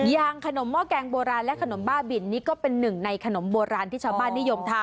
อย่างขนมหม้อแกงโบราณและขนมบ้าบินนี่ก็เป็นหนึ่งในขนมโบราณที่ชาวบ้านนิยมทาน